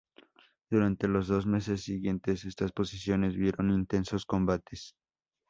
Durante los dos meses siguientes, estas posiciones vivieron intensos combates.